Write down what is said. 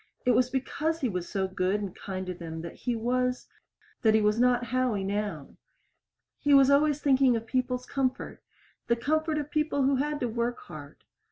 It was because he was so good and kind to them that he was that he was not Howie now. He was always thinking of people's comfort the comfort of people who had to work hard.